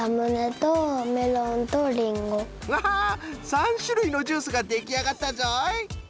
３しゅるいのジュースができあがったぞい。